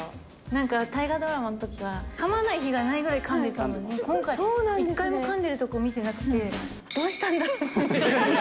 なんか、大河ドラマのときとかかまない日がないぐらいかんでいたのに、今回、一回もかんでいるところ見てなくて、どうしたんだろう？って。